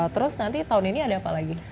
terus nanti tahun ini ada apa lagi